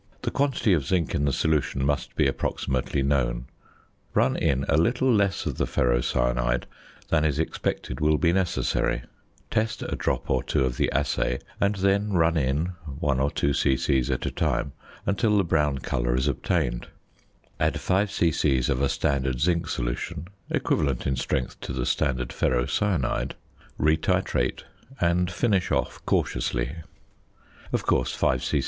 The quantity of zinc in the solution must be approximately known; run in a little less of the ferrocyanide than is expected will be necessary; test a drop or two of the assay, and then run in, one or two c.c. at a time, until the brown colour is obtained. Add 5 c.c. of a standard zinc solution, equivalent in strength to the standard "ferrocyanide," re titrate, and finish off cautiously. Of course 5 c.c.